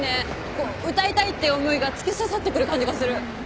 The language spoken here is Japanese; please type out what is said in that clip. こう歌いたいって思いが突き刺さってくる感じがする。